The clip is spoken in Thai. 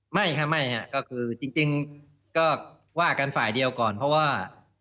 ไม่ค่ะไม่ครับก็คือจริงก็ว่ากันฝ่ายเดียวก่อนเพราะว่า